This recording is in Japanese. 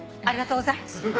ありがとうございます。